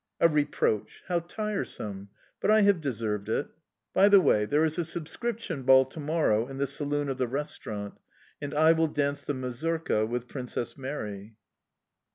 A reproach!... How tiresome! But I have deserved it... By the way, there is a subscription ball tomorrow in the saloon of the restaurant, and I will dance the mazurka with Princess Mary.